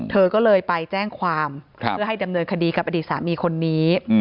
เธอก็เลยไปแจ้งความเพื่อให้ดำเนินคดีกับอดีตสามีคนนี้